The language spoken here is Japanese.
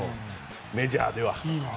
メジャーでは。